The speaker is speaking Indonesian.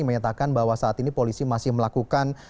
menyatakan bahwa saat ini polisi masih melakukan